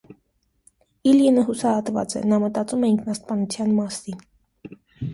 Իլյինը հուսահատված է. նա մտածում է ինքնասպանության մասին։